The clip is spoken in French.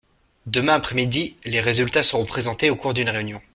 Demain après-midi, les résultats seront présentés au cours d'une réunion.